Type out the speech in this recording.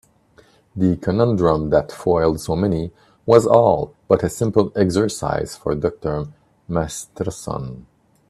The conundrum that foiled so many was all but a simple exercise for Dr. Masterson.